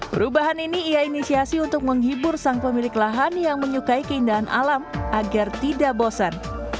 perubahan ini ia inisiasi untuk menghibur sang pemilik lahan yang menyukai keindahan alam agar tidak bosan